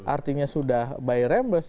artinya sudah by reimburse